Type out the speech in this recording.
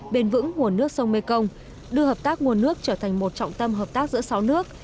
bền vững nguồn nước sông mekong đưa hợp tác nguồn nước trở thành một trọng tâm hợp tác giữa sáu nước